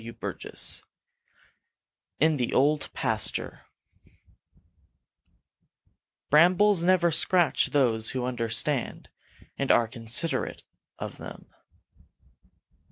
CHAPTER V IN THE OLD PASTURE Brambles never scratch those who understand and are considerate of them.